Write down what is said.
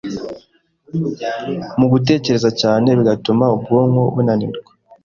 mu gutekereza cyane bigatuma ubwonko bunanirwa